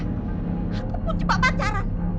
aku pun cepat pacaran